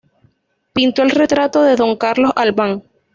Pintó el retrato de don Carlos Albán.